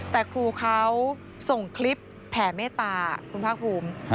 แต่ครูเขาส่งคลิปแผ่เมตตาคุณภาคภูมิ